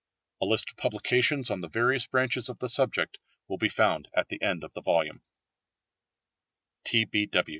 A list of publications on the various branches of the subject will be found at the end of the volume.